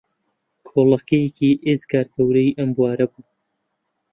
کۆڵەکەیەکی ئێجگار گەورەی ئەم بوارە بوو